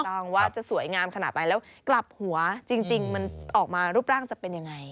ว่าจะสวยงามขนาดไหนแล้วกลับหัวจริงมันออกมารูปร่างจะเป็นยังไง